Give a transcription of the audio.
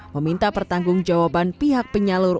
meminta pertanggung jawaban pihak penyalur